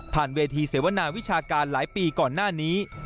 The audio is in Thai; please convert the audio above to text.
เวทีเสวนาวิชาการหลายปีก่อนหน้านี้